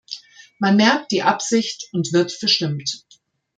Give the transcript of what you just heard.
Man merkt die Absicht und wird verstimmt!